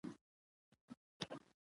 لوی نومونه هم حقيقت نه تسليموي.